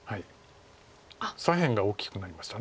左辺が大きくなりました